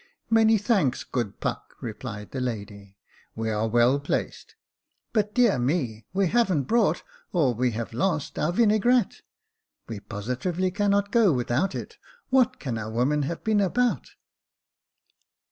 *' Many thanks, good Puck," replied the lady j " we are 264 Jacob Faithful well placed ; but dear me, we ha'vn't brought, or we have lost, our vinaigrette ; we positively cannot go without it. What can our women have been about